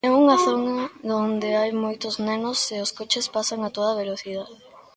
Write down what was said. É unha zona onde hai moitos nenos e os coches pasan a toda velocidade.